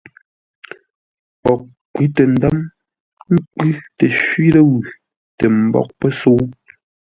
Poghʼ kwʉ́ tə ndə̌m, kwʉ́ təshwi ləwʉ̂, tə mbóʼ pəsə̌u.